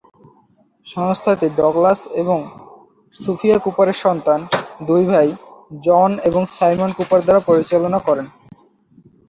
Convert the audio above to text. সংস্থাটি ডগলাস এবং সুফিয়া কুপারের সন্তান দুই ভাই জন এবং সাইমন কুপার দ্বারা পরিচালনা করেন।